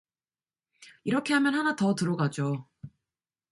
이렇게 하면 하나 더 들어가죠